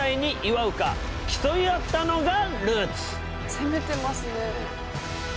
攻めてますね。